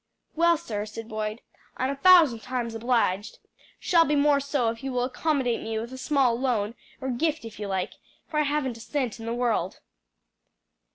"Well, sir," said Boyd, "I'm a thousand times obliged. Shall be more so if you will accommodate me with a small loan or gift if you like, for I haven't a cent in the world."